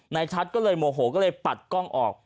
ชัดก็เลยโมโหก็เลยปัดกล้องออก